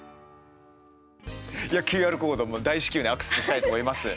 ＱＲコードも大至急ねアクセスしたいと思います。